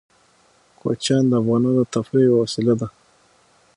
کوچیان د افغانانو د تفریح یوه وسیله ده.